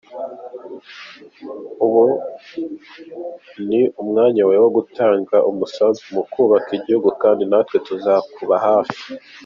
Ubu ni umwanya wawe wo gutanga umusanzu mu kubaka igihugu kandi natwe tuzakuba hafi.